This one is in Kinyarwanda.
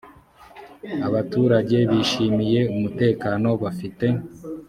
abaturage bishimiye umutekano bafite